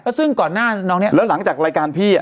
แล้วหลังจากรายการพี่